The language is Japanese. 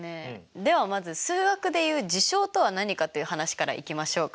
ではまず数学で言う「事象」とは何かという話からいきましょうか。